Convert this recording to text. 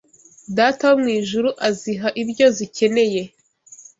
Data wo mu ijuru aziha ibyo zikeneye